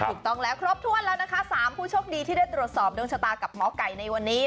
ถูกต้องแล้วครบถ้วนแล้วนะคะ๓ผู้โชคดีที่ได้ตรวจสอบดวงชะตากับหมอไก่ในวันนี้